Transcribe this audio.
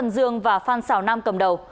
dương và phan xảo nam cầm đầu